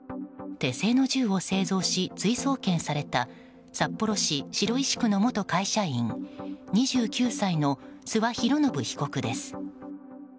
手製の銃を製造し追送検された札幌市白石区の元会社員２９歳の諏訪博宣被告です。